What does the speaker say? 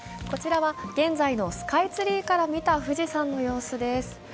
こちらは現在のスカイツリーから見た富士山の様子です。